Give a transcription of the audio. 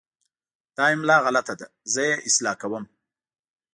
دا املا غلط ده، زه یې اصلاح کوم.